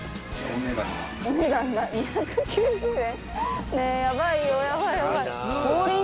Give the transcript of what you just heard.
お値段が２９０円。